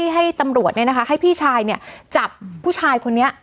ให้ตำรวจเนี่ยนะคะให้พี่ชายเนี่ยจับผู้ชายคนนี้